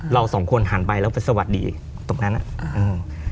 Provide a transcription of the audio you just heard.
เราสองคนหันไปแล้วไปสวัสดีตรงนั้นอ่ะอ่า